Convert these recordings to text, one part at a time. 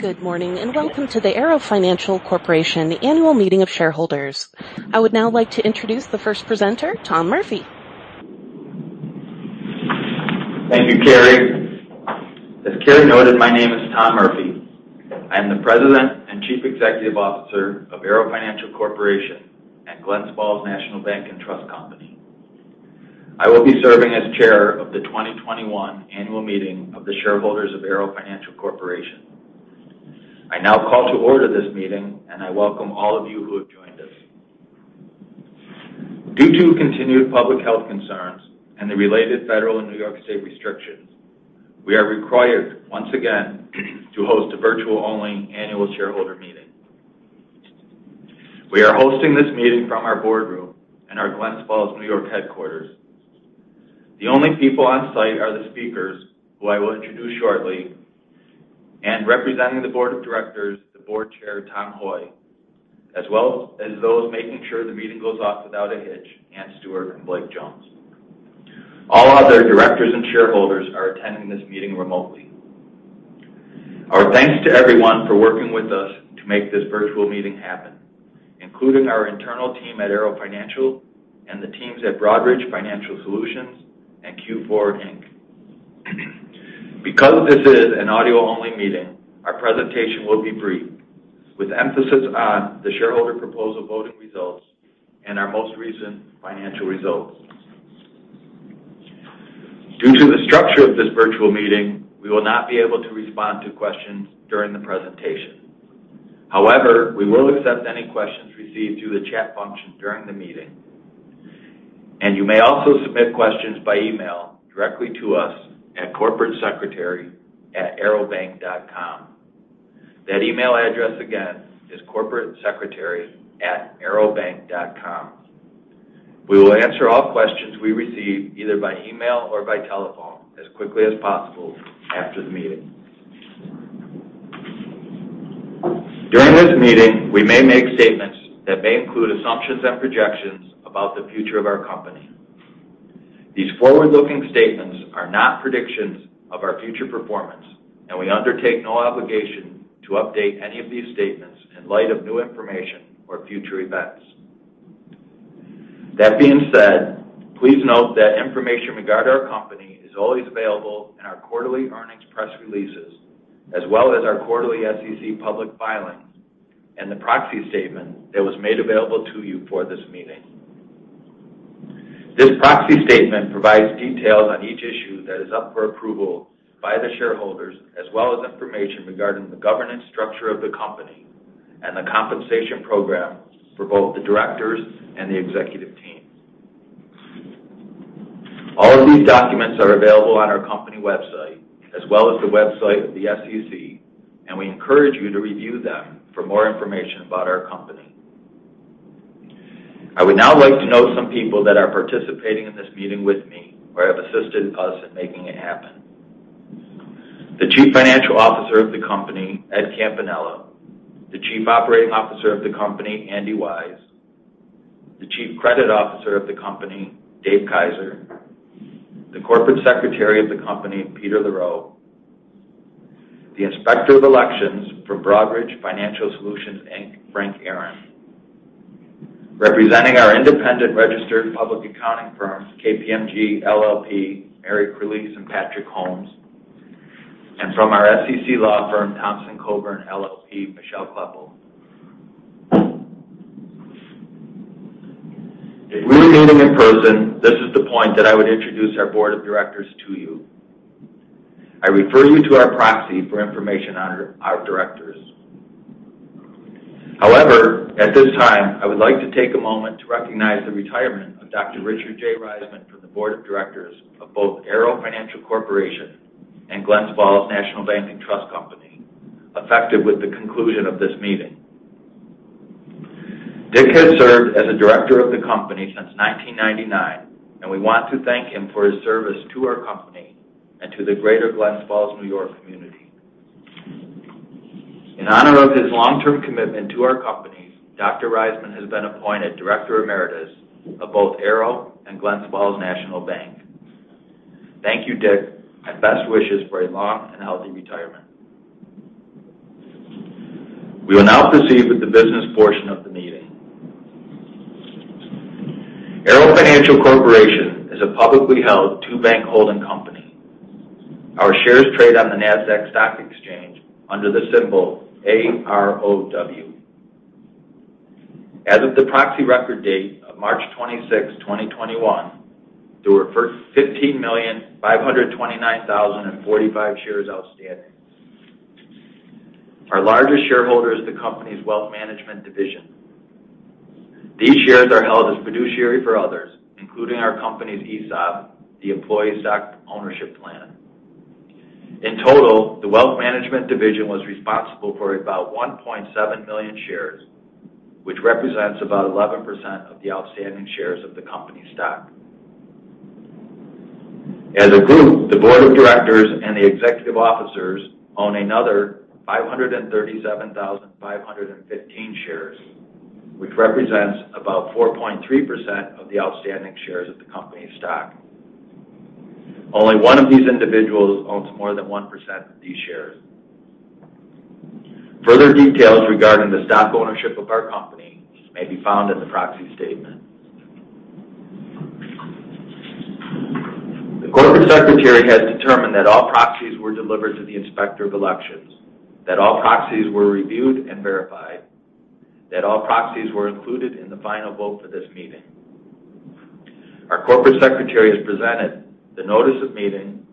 Good morning, and welcome to the Arrow Financial Corporation annual meeting of shareholders. I would now like to introduce the first presenter, Tom Murphy. Thank you, Carrie. As Carrie noted, my name is Tom Murphy. I'm the President and Chief Executive Officer of Arrow Financial Corporation at Glens Falls National Bank and Trust Company. I will be serving as chair of the 2021 annual meeting of the shareholders of Arrow Financial Corporation. I now call to order this meeting, and I welcome all of you who have joined us. Due to continued public health concerns and the related federal and New York State restrictions, we are required once again to host a virtual-only annual shareholder meeting. We are hosting this meeting from our boardroom in our Glens Falls, New York headquarters. The only people on site are the speakers, who I will introduce shortly, and representing the Board of Directors, the Board Chair, Tom Hoy, as well as those making sure the meeting goes off without a hitch, Anne Stewart and Blake Jones. All other directors and shareholders are attending this meeting remotely. Our thanks to everyone for working with us to make this virtual meeting happen, including our internal team at Arrow Financial and the teams at Broadridge Financial Solutions and Q4 Inc. Because this is an audio-only meeting, our presentation will be brief, with emphasis on the shareholder proposal voting results and our most recent financial results. Due to the structure of this virtual meeting, we will not be able to respond to questions during the presentation. However, we will accept any questions received through the chat function during the meeting, and you may also submit questions by email directly to us at corporatesecretary@arrowbank.com. That email address again is corporatesecretary@arrowbank.com. We will answer all questions we receive either by email or by telephone as quickly as possible after the meeting. During this meeting, we may make statements that may include assumptions and projections about the future of our company. These forward-looking statements are not predictions of our future performance, and we undertake no obligation to update any of these statements in light of new information or future events. That being said, please note that information regarding our company is always available in our quarterly earnings press releases, as well as our quarterly SEC public filings and the proxy statement that was made available to you for this meeting. This proxy statement provides details on each issue that is up for approval by the shareholders, as well as information regarding the governance structure of the company and the compensation program for both the directors and the executive team. All of these documents are available on our company website, as well as the website of the SEC, and we encourage you to review them for more information about our company. I would now like to note some people that are participating in this meeting with me or have assisted us in making it happen. The Chief Financial Officer of the company, Ed Campanella. The Chief Operating Officer of the company, Andrew Wise. The Chief Credit Officer of the company, David D. Kaiser. The Corporate Secretary of the company, Peter LaRoe. The Inspector of Elections for Broadridge Financial Solutions, Inc., Frank Arren. Representing our independent registered public accounting firms, KPMG LLP, Eric Reliz and Patrick Holmes. From our SEC law firm, Thompson Coburn LLP, Michele Kloeppel. If we were meeting in person, this is the point that I would introduce our board of directors to you. I refer you to our proxy for information on our directors. However, at this time, I would like to take a moment to recognize the retirement of Dr. Richard J. Reisman from the board of directors of both Arrow Financial Corporation and Glens Falls National Bank and Trust Company, effective with the conclusion of this meeting. Dick has served as a director of the company since 1999, and we want to thank him for his service to our company and to the greater Glens Falls, New York community. In honor of his long-term commitment to our companies, Dr. Reisman has been appointed director emeritus of both Arrow and Glens Falls National Bank. Thank you, Dick, and best wishes for a long and healthy retirement. We will now proceed with the business portion of the meeting. Arrow Financial Corporation is a publicly held two-bank holding company. Our shares trade on the NASDAQ stock exchange under the symbol AROW. As of the proxy record date of March 26, 2021, there were 15,529,045 shares outstanding. Our largest shareholder is the company's wealth management division. These shares are held as fiduciary for others, including our company's ESOP, the employee stock ownership plan. In total, the wealth management division was responsible for about 1.7 million shares, which represents about 11% of the outstanding shares of the company stock. As a group, the board of directors and the executive officers own another 537,515 shares, which represents about 4.3% of the outstanding shares of the company stock. Only one of these individuals owns more than 1% of these shares. Further details regarding the stock ownership of our company may be found in the proxy statement. The corporate secretary has determined that all proxies were delivered to the Inspector of Elections, that all proxies were reviewed and verified, that all proxies were included in the final vote for this meeting. Our corporate secretary has presented the notice of meeting,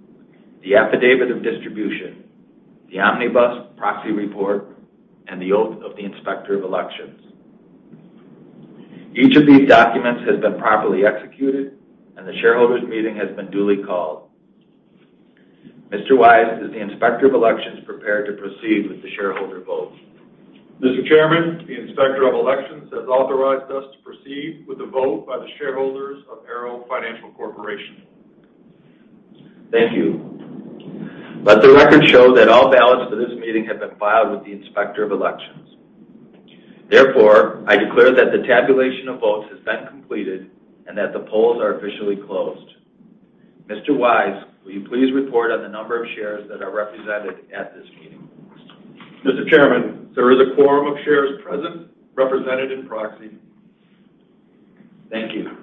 the affidavit of distribution, the omnibus proxy report, and the oath of the Inspector of Elections. Each of these documents has been properly executed, and the shareholders' meeting has been duly called. Mr. Wise, is the Inspector of Elections prepared to proceed with the shareholder vote? Mr. Chairman, the Inspector of Elections has authorized us to proceed with the vote by the shareholders of Arrow Financial Corporation. Thank you. Let the record show that all ballots for this meeting have been filed with the Inspector of Elections. Therefore, I declare that the tabulation of votes has been completed and that the polls are officially closed. Mr. Wise, will you please report on the number of shares that are represented at this meeting? Mr. Chairman, there is a quorum of shares present, represented in proxy. Thank you.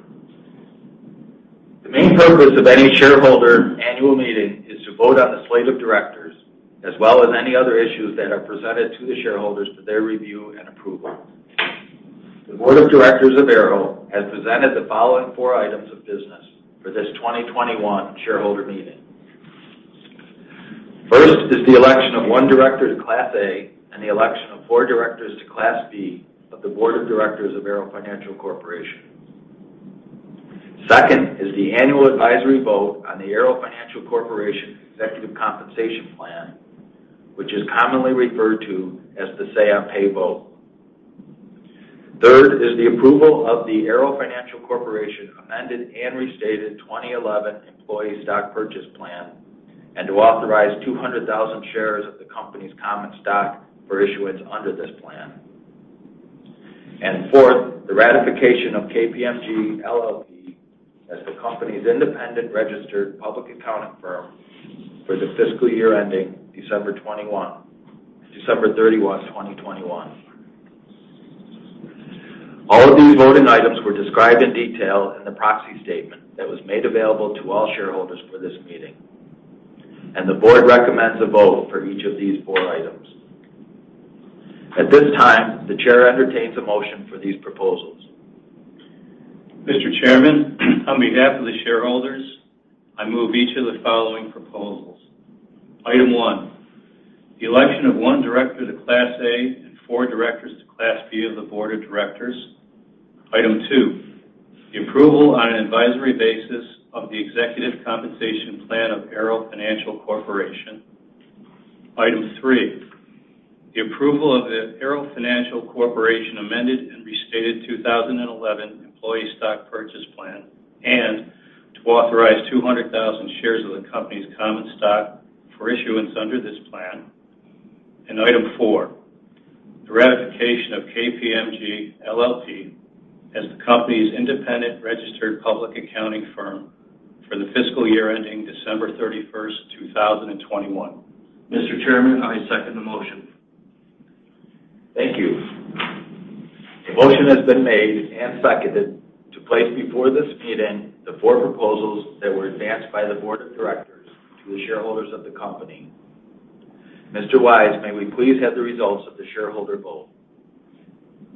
The main purpose of any shareholder annual meeting is to vote on the slate of directors, as well as any other issues that are presented to the shareholders for their review and approval. The board of directors of Arrow has presented the following four items of business for this 2021 shareholder meeting. First is the election of one director to Class A and the election of four directors to Class B of the board of directors of Arrow Financial Corporation. Second is the annual advisory vote on the Arrow Financial Corporation Executive Compensation Plan, which is commonly referred to as the Say on Pay vote. Third is the approval of the Arrow Financial Corporation Amended and Restated 2011 Employee Stock Purchase Plan and to authorize 200,000 shares of the company's common stock for issuance under this plan. Fourth, the ratification of KPMG LLP as the company's independent registered public accounting firm for the fiscal year ending December 31, 2021. All of these voting items were described in detail in the proxy statement that was made available to all shareholders for this meeting, and the board recommends a vote for each of these four items. At this time, the chair entertains a motion for these proposals. Mr. Chairman, on behalf of the shareholders, I move each of the following proposals. Item one, the election of one director to Class A and four directors to Class B of the board of directors. Item two, the approval on an advisory basis of the Executive Compensation Plan of Arrow Financial Corporation. Item three, the approval of the Arrow Financial Corporation Amended and Restated 2011 Employee Stock Purchase Plan, to authorize 200,000 shares of the company's common stock for issuance under this plan. Item four, the ratification of KPMG LLP as the company's independent registered public accounting firm for the fiscal year ending December 31st, 2021. Mr. Chairman, I second the motion. Thank you. The motion has been made and seconded to place before this meeting the four proposals that were advanced by the board of directors to the shareholders of the company. Mr. Wise, may we please have the results of the shareholder vote?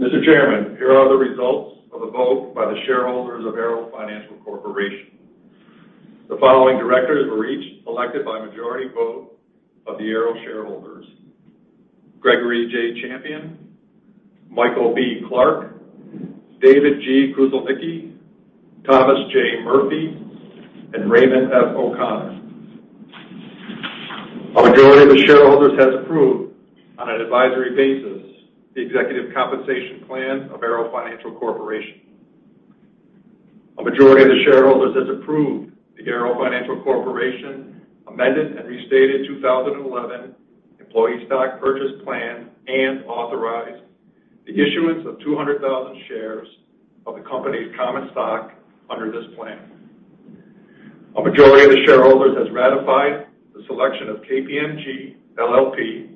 Mr. Chairman, here are the results of the vote by the shareholders of Arrow Financial Corporation. The following directors were each elected by majority vote of the Arrow shareholders. Gregory J. Champion, Michael B. Clarke, David G. Kruczlnicki, Thomas J. Murphy, and Raymond F. O'Conor. A majority of the shareholders has approved, on an advisory basis, the Executive Compensation Plan of Arrow Financial Corporation. A majority of the shareholders has approved the Arrow Financial Corporation Amended and Restated 2011 Employee Stock Purchase Plan and authorized the issuance of 200,000 shares of the company's common stock under this plan. A majority of the shareholders has ratified the selection of KPMG LLP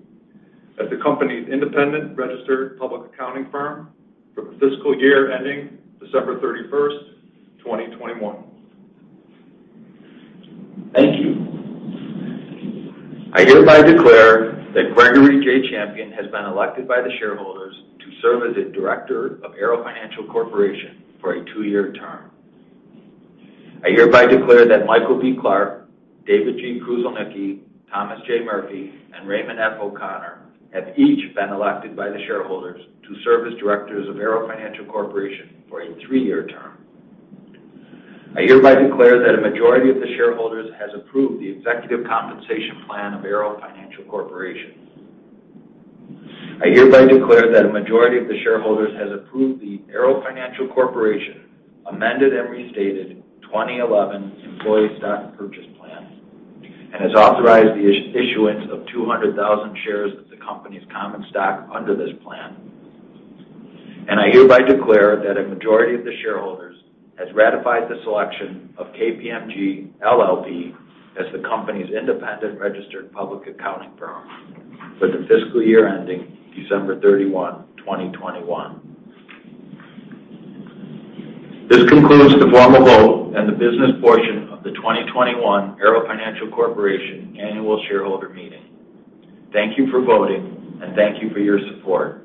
as the company's independent registered public accounting firm for the fiscal year ending December 31st, 2021. Thank you. I hereby declare that Gregory J. Champion has been elected by the shareholders to serve as a director of Arrow Financial Corporation for a two-year term. I hereby declare that Michael B. Clarke, David G. Kruczlnicki, Thomas J. Murphy, and Raymond F. O'Conor have each been elected by the shareholders to serve as directors of Arrow Financial Corporation for a three-year term. I hereby declare that a majority of the shareholders has approved the Executive Compensation Plan of Arrow Financial Corporation. I hereby declare that a majority of the shareholders has approved the Arrow Financial Corporation Amended and Restated 2011 Employee Stock Purchase Plan and has authorized the issuance of 200,000 shares of the company's common stock under this plan. I hereby declare that a majority of the shareholders has ratified the selection of KPMG LLP as the company's independent registered public accounting firm for the fiscal year ending December 31, 2021. This concludes the formal vote and the business portion of the 2021 Arrow Financial Corporation Annual Shareholder Meeting. Thank you for voting and thank you for your support.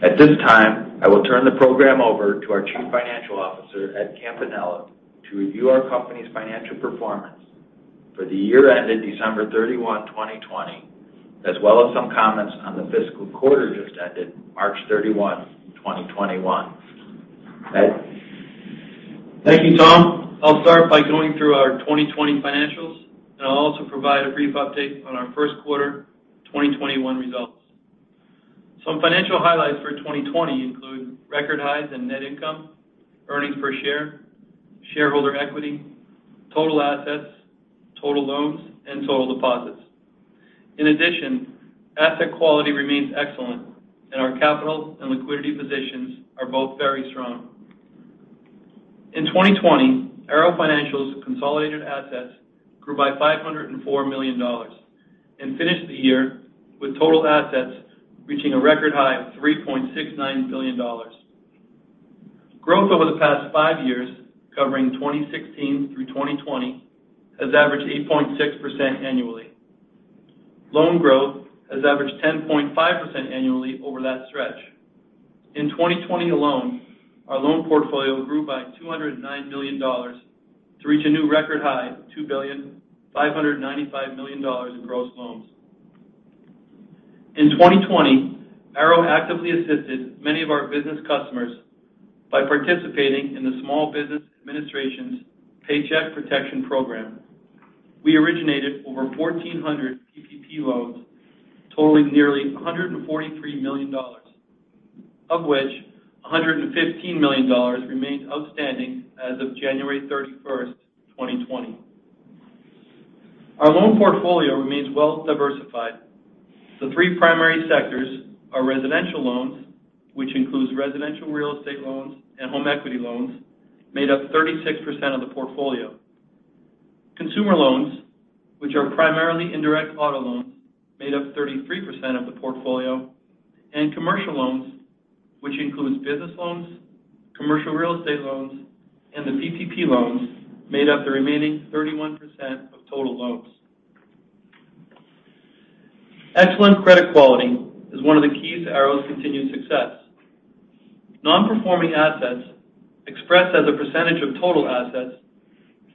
At this time, I will turn the program over to our Chief Financial Officer, Ed Campanella, to review our company's financial performance for the year ended December 31, 2020, as well as some comments on the fiscal quarter just ended March 31, 2021. Ed? Thank you, Tom. I'll start by going through our 2020 financials, and I'll also provide a brief update on our first quarter 2021 results. Some financial highlights for 2020 include record highs in net income, earnings per share, shareholder equity, total assets, total loans, and total deposits. In addition, asset quality remains excellent, and our capital and liquidity positions are both very strong. In 2020, Arrow Financial's consolidated assets grew by $504 million and finished the year with total assets reaching a record high of $3.69 billion. Growth over the past five years, covering 2016 through 2020, has averaged 8.6% annually. Loan growth has averaged 10.5% annually over that stretch. In 2020 alone, our loan portfolio grew by $209 million to reach a new record high of $2.595 billion in gross loans. In 2020, Arrow actively assisted many of our business customers by participating in the Small Business Administration's Paycheck Protection Program. We originated over 1,400 PPP loans totaling nearly $143 million, of which $115 million remained outstanding as of January 31st, 2020. Our loan portfolio remains well-diversified. The three primary sectors are residential loans, which includes residential real estate loans and home equity loans, made up 36% of the portfolio. Consumer loans, which are primarily indirect auto loans, made up 33% of the portfolio, and commercial loans, which includes business loans, commercial real estate loans, and the PPP loans, made up the remaining 31% of total loans. Excellent credit quality is one of the keys to Arrow's continued success. Non-performing assets expressed as a percentage of total assets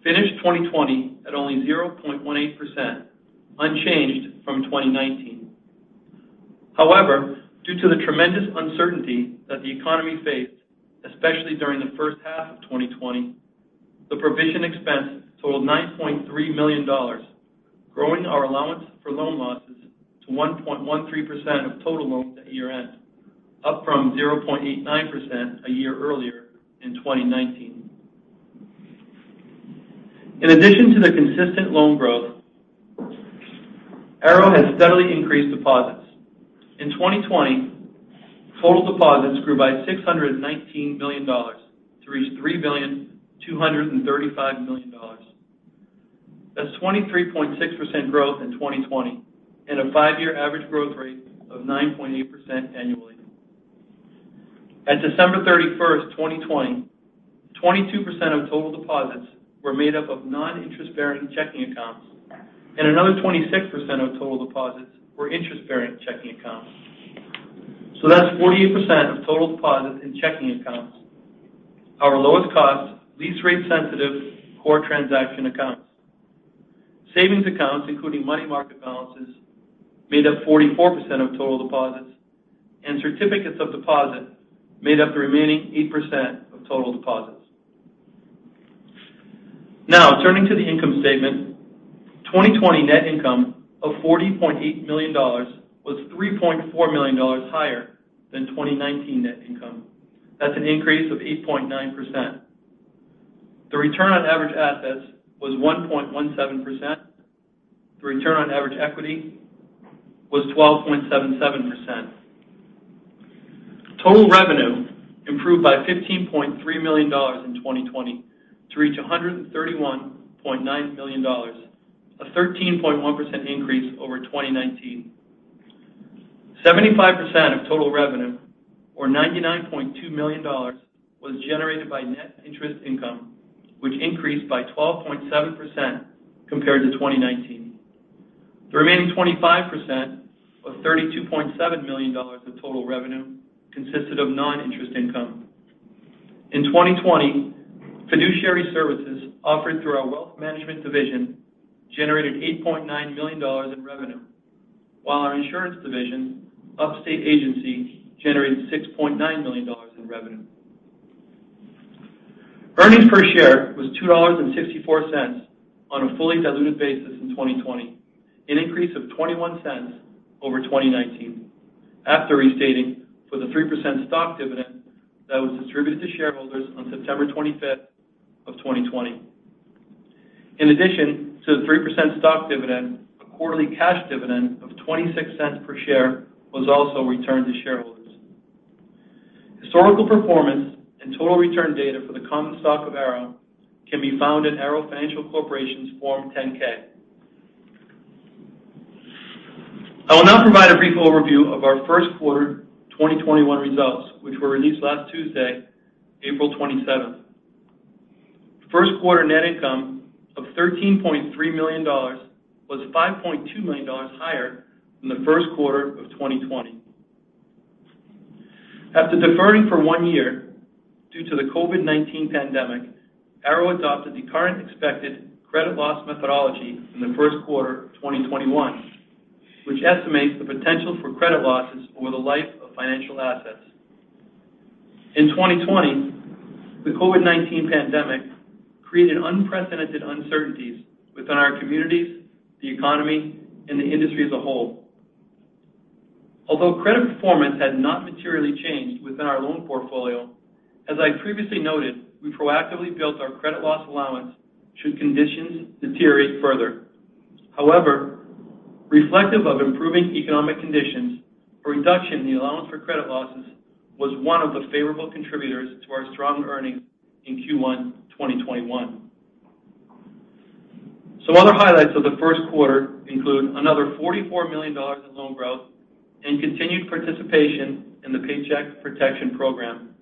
finished 2020 at only 0.18%, unchanged from 2019. However, due to the tremendous uncertainty that the economy faced, especially during the first half of 2020, the provision expense totaled $9.3 million, growing our allowance for loan losses to 1.13% of total loans at year-end, up from 0.89% a year earlier in 2019. In addition to the consistent loan growth, Arrow has steadily increased deposits. In 2020, total deposits grew by $619 million to reach $3.235 billion. That's 23.6% growth in 2020 and a five-year average growth rate of 9.8% annually. At December 31st, 2020, 22% of total deposits were made up of non-interest-bearing checking accounts, and another 26% of total deposits were interest-bearing checking accounts. That's 48% of total deposits in checking accounts, our lowest cost, least rate sensitive, core transaction accounts. Savings accounts, including money market balances, made up 44% of total deposits, and certificates of deposit made up the remaining 8% of total deposits. Turning to the income statement, 2020 net income of $40.8 million was $3.4 million higher than 2019 net income. That's an increase of 8.9%. The return on average assets was 1.17%. The return on average equity was 12.77%. Total revenue improved by $15.3 million in 2020 to reach $131.9 million, a 13.1% increase over 2019. 75% of total revenue, or $99.2 million, was generated by net interest income, which increased by 12.7% compared to 2019. The remaining 25%, or $32.7 million of total revenue, consisted of non-interest income. In 2020, fiduciary services offered through our wealth management division generated $8.9 million in revenue, while our insurance division, Upstate Agency, generated $6.9 million in revenue. Earnings per share was $2.64 on a fully diluted basis in 2020, an increase of $0.21 over 2019 after restating for the 3% stock dividend that was distributed to shareholders on September 25th of 2020. In addition to the 3% stock dividend, a quarterly cash dividend of $0.26 per share was also returned to shareholders. Historical performance and total return data for the common stock of Arrow can be found in Arrow Financial Corporation's Form 10-K. I will now provide a brief overview of our first quarter 2021 results, which were released last Tuesday, April 27th. First quarter net income of $13.3 million was $5.2 million higher than the first quarter of 2020. After deferring for one year due to the COVID-19 pandemic, Arrow adopted the current expected credit loss methodology in the first quarter of 2021, which estimates the potential for credit losses over the life of financial assets. In 2020, the COVID-19 pandemic created unprecedented uncertainties within our communities, the economy, and the industry as a whole. Although credit performance had not materially changed within our loan portfolio, as I previously noted, we proactively built our credit loss allowance should conditions deteriorate further. However, reflective of improving economic conditions, a reduction in the allowance for credit losses was one of the favorable contributors to our strong earnings in Q1 2021. Some other highlights of the first quarter include another $44 million in loan growth and continued participation in the Paycheck Protection Program.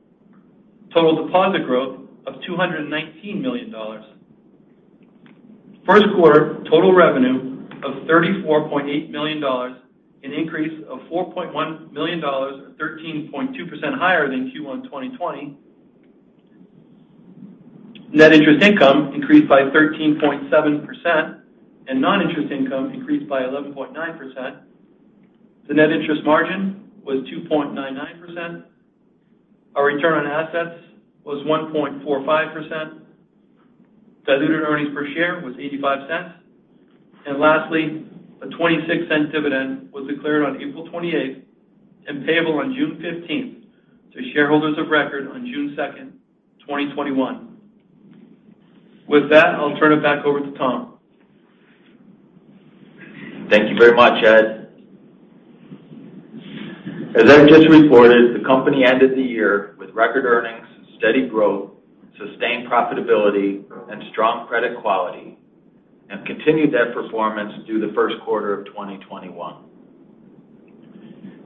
Total deposit growth of $219 million. First quarter total revenue of $34.8 million, an increase of $4.1 million, or 13.2% higher than Q1 2020. Net interest income increased by 13.7%, and non-interest income increased by 11.9%. The net interest margin was 2.99%. Our return on assets was 1.45%. Diluted earnings per share was $0.85. Lastly, a $0.26 dividend was declared on April 28th and payable on June 15th to shareholders of record on June 2nd, 2021. With that, I'll turn it back over to Tom. Thank you very much, Ed. As Ed just reported, the company ended the year with record earnings, steady growth, sustained profitability, and strong credit quality, and continued that performance through the first quarter of 2021.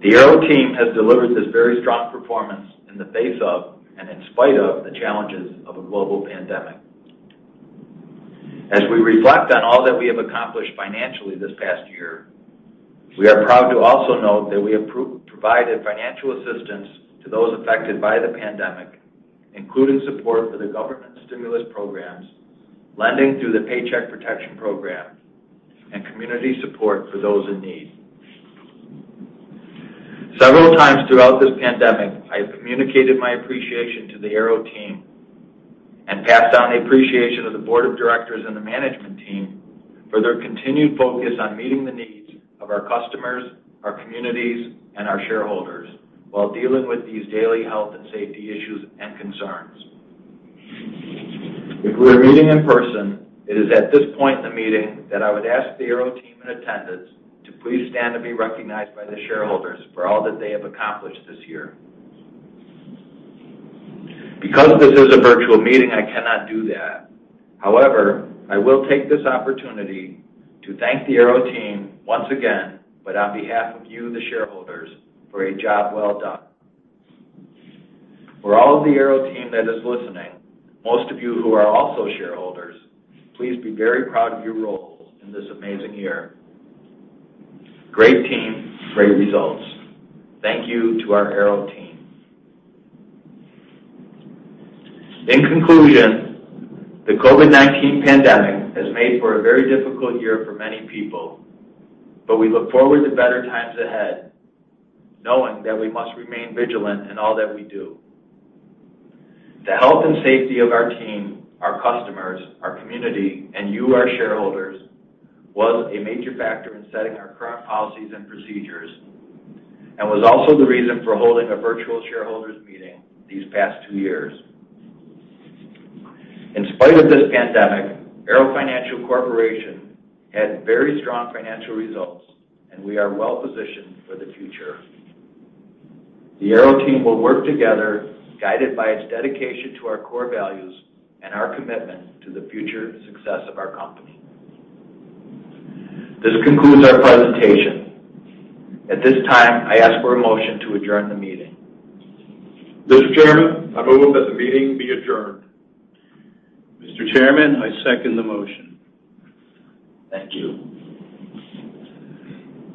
The Arrow team has delivered this very strong performance in the face of and in spite of the challenges of a global pandemic. As we reflect on all that we have accomplished financially this past year, we are proud to also note that we have provided financial assistance to those affected by the pandemic, including support for the government stimulus programs, lending through the Paycheck Protection Program, and community support for those in need. Several times throughout this pandemic, I have communicated my appreciation to the Arrow team and passed down the appreciation of the board of directors and the management team for their continued focus on meeting the needs of our customers, our communities, and our shareholders, while dealing with these daily health and safety issues and concerns. If we were meeting in person, it is at this point in the meeting that I would ask the Arrow team in attendance to please stand and be recognized by the shareholders for all that they have accomplished this year. Because this is a virtual meeting, I cannot do that. However, I will take this opportunity to thank the Arrow team once again, but on behalf of you, the shareholders, for a job well done. For all of the Arrow team that is listening, most of you who are also shareholders, please be very proud of your roles in this amazing year. Great team, great results. Thank you to our Arrow team. In conclusion, the COVID-19 pandemic has made for a very difficult year for many people, but we look forward to better times ahead, knowing that we must remain vigilant in all that we do. The health and safety of our team, our customers, our community, and you, our shareholders, was a major factor in setting our current policies and procedures and was also the reason for holding a virtual shareholders meeting these past two years. In spite of this pandemic, Arrow Financial Corporation had very strong financial results, and we are well positioned for the future. The Arrow team will work together, guided by its dedication to our core values and our commitment to the future success of our company. This concludes our presentation. At this time, I ask for a motion to adjourn the meeting. Mr. Chairman, I move that the meeting be adjourned. Mr. Chairman, I second the motion. Thank you.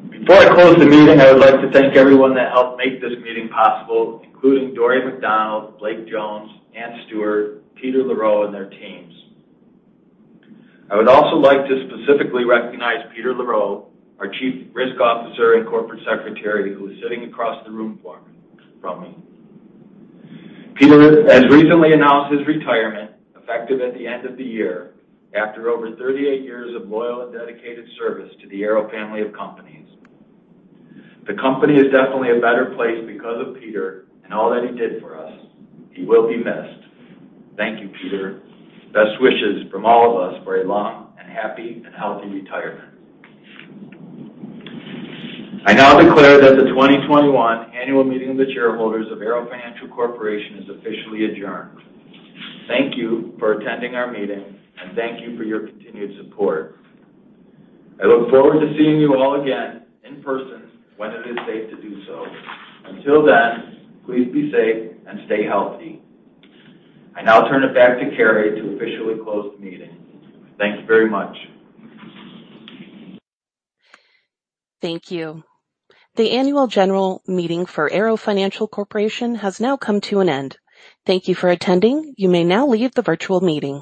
Before I close the meeting, I would like to thank everyone that helped make this meeting possible, including Dory McDonald, Blake Jones, Anne Stewart, Peter LaRoe, and their teams. I would also like to specifically recognize Peter LaRoe, our Chief Risk Officer and Corporate Secretary, who is sitting across the room from me. Peter has recently announced his retirement, effective at the end of the year, after over 38 years of loyal and dedicated service to the Arrow family of companies. The company is definitely a better place because of Peter and all that he did for us. He will be missed. Thank you, Peter. Best wishes from all of us for a long and happy and healthy retirement. I now declare that the 2021 annual meeting of the shareholders of Arrow Financial Corporation is officially adjourned. Thank you for attending our meeting, and thank you for your continued support. I look forward to seeing you all again in person when it is safe to do so. Until then, please be safe and stay healthy. I now turn it back to Carrie to officially close the meeting. Thanks very much. Thank you. The annual general meeting for Arrow Financial Corporation has now come to an end. Thank you for attending. You may now leave the virtual meeting.